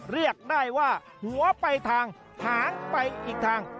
เรียกได้ว่าหัวไปทางหางไปอีกทาง